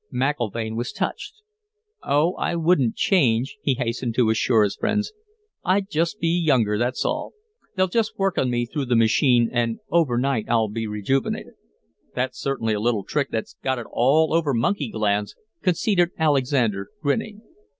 McIlvaine was touched. "Oh, I wouldn't change," he hastened to assure his friends. "I'd just be younger, that's all. They'll just work on me through the machine, and over night I'll be rejuvenated." "That's certainly a little trick that's got it all over monkey glands," conceded Alexander, grinning.